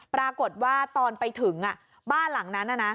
ปรากฏว่าตอนไปถึงบ้านหลังนั้น